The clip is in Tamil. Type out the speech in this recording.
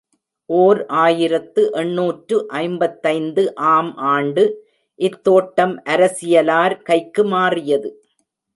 ஓர் ஆயிரத்து எண்ணூற்று ஐம்பத்தைந்து ஆம் ஆண்டு இத்தோட்டம் அரசியலார் கைக்கு மாறியது.